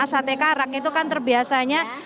sate karak itu kan terbiasanya